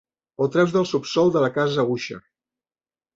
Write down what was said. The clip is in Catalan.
Ho treus del subsòl de la casa Usher.